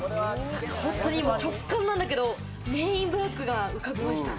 本当に直感なんだけど、『メン・イン・ブラック』が浮かびました。